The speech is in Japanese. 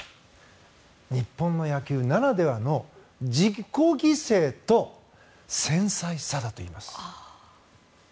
日本の野球ならではの自己犠牲と繊細さだといいます。